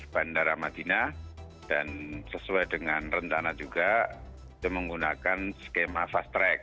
bandara madinah dan sesuai dengan rencana juga itu menggunakan skema fast track